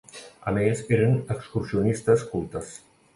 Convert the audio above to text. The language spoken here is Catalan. A més, eren excursionistes cultes.